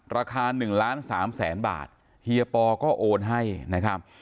ราคาหนึ่งล้านสามแสนบาทเฮียปอร์ก็โอนให้นะครับ